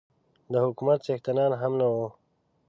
د حکومت څښتنان هم نه وو.